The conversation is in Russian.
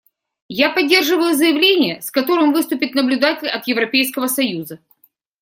Я поддерживаю заявление, с которым выступит наблюдатель от Европейского союза.